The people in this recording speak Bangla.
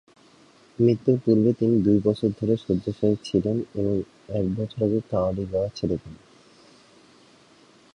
মৃত্যুর পূর্বে তিনি দুই বছর ধরে শয্যাশায়ী ছিলেন এবং এক বছর আগে কাওয়ালি গাওয়া ছেড়ে দেন।